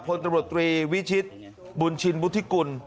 พลตำรวจตรีวิชิตบุญชินวุฒิกุล